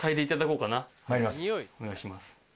お願いします。